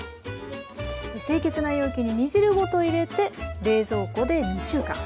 清潔な容器に煮汁ごと入れて冷蔵庫で２週間。